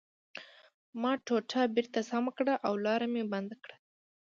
ما ټوټه بېرته سمه کړه او لاره مې بنده کړه